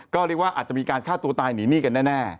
ก็เรียกว่าอาจจะมีการฆ่าตัวตายหนีหนี้กันแน่